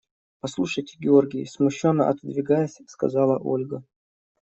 – Послушайте, Георгий, – смущенно отодвигаясь, сказала Ольга.